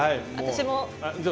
私も。